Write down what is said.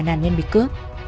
nạn nhân bị cướp